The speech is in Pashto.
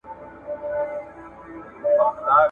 ما مي یوسف ته د خوبونو کیسه وژړله ,